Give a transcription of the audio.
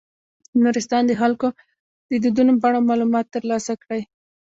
د نورستان د خلکو د دودونو په اړه معلومات تر لاسه کړئ.